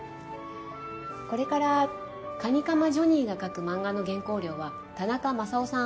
これから蟹釜ジョニーが描く漫画の原稿料は田中マサオさん